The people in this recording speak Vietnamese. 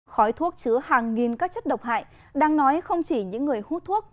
khói thuốc chứa hàng nghìn các chất độc hại đang nói không chỉ những người hút thuốc